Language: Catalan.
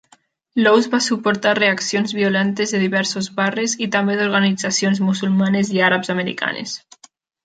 Lowe's va suportar reaccions violentes de diversos barris i també d'organitzacions musulmanes i àrabs americanes.